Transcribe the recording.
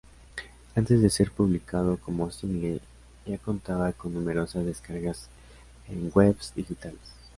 Antes de ser publicado como single ya contaba con numerosas descargas en webs digitales.